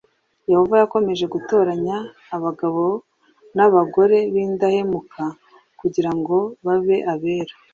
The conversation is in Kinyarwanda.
Yehova yakomeje gutoranya abagabo n’abagore b’indahemuka kugira ngo babe abera